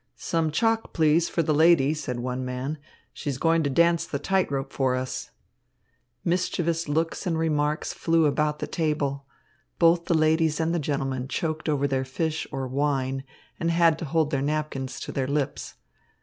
"Some chalk, please, for the lady," said one man. "She is going to dance the tight rope for us." Mischievous looks and remarks flew about the table. Both the ladies and the gentlemen choked over their fish or wine and had to hold their napkins to their lips.